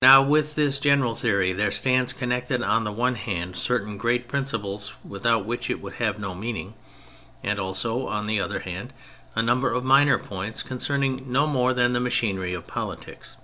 Now with this general theory there stand connected on the one hand certain great principles without which it would have no meaning, and also on the other hand a number of minor points concerning no more than the machinery of politics.